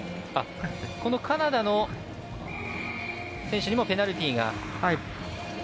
このカナダの選手にもペナルティーが。